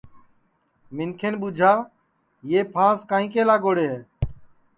منکھین ٻوجھا یو پھانٚس کائیں کے لاگوڑے ہے